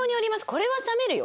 これは冷めるよ。